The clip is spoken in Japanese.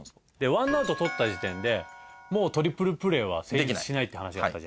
１アウト取った時点でもうトリプルプレーは成立しないって話があったじゃないですか。